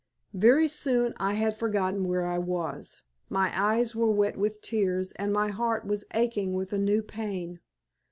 Very soon I had forgotten where I was. My eyes were wet with tears, and my heart was aching with a new pain.